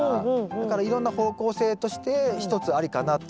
だからいろんな方向性として一つありかなと思っております。